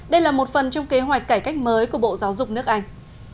đây là một phần trong kế hoạch cải cách mới của bộ giáo dục nước anh